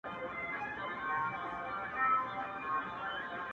زه دي نه وینم د خپل زړگي پاچا سې،